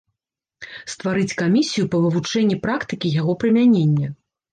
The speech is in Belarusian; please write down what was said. Стварыць камісію па вывучэнні практыкі яго прымянення.